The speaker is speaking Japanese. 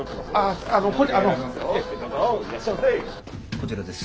こちらです。